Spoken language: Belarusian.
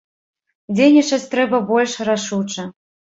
Дзейнічаць трэба больш рашуча.